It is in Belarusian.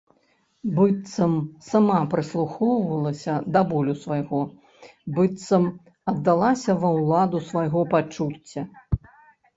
Быццам сама прыслухоўвалася да болю свайго, быццам аддалася ва ўладу свайго пачуцця.